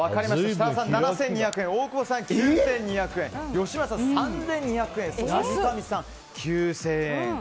設楽さん、７２００円大久保さん、９２００円吉村さん、３２００円そして三上さん、９０００円。